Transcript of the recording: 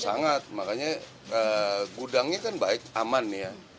sangat makanya gudangnya kan baik aman ya